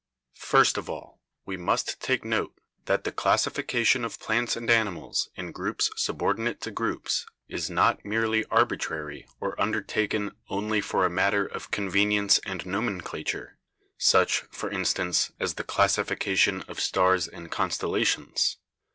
"First of all we must take note that the classification of plants and animals in groups subordinate to groups is not merely arbitrary or undertaken only for a matter of con venience and nomenclature — such, for instance, as the classification of stars in constellations.